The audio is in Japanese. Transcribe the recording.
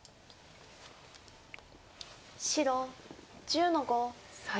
白１０の五切り。